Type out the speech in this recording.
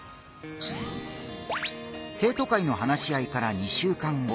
生徒会の話し合いから２週間後。